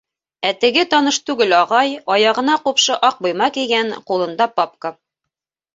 Ә теге таныш түгел ағай аяғына ҡупшы аҡ быйма кейгән, ҡулында папка.